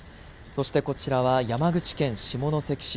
そしてこちらは山口県下関市。